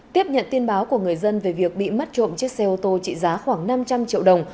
tiếp nhận tin báo của người dân về việc bị mất trộm chiếc xe ô tô trị giá khoảng năm trăm linh triệu đồng